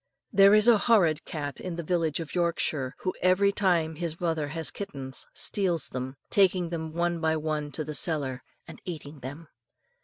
There is a horrid cat in a village in Yorkshire, who, every time his mother has kittens, steals them, taking them one by one to the cellar, and eating them.